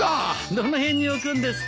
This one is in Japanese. どの辺に置くんですか？